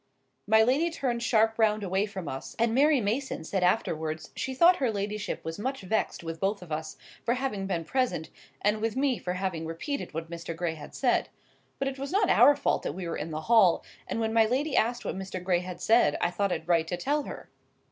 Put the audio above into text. '" My lady turned sharp round away from us, and Mary Mason said afterwards she thought her ladyship was much vexed with both of us, for having been present, and with me for having repeated what Mr. Gray had said. But it was not our fault that we were in the hall, and when my lady asked what Mr. Gray had said, I thought it right to tell her.